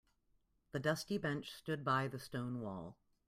The dusty bench stood by the stone wall.